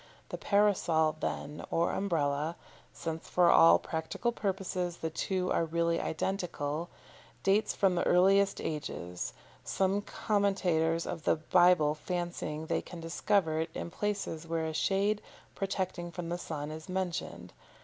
The Parasol, then, or Umbrella since for all practical purposes the two are really identical dates from the earliest ages, some commentators on the Bible fancying they can discover it in places where a shade protecting from the sun is mentioned.